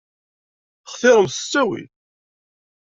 Xtiṛemt s ttawil.